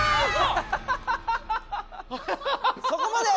そこまで！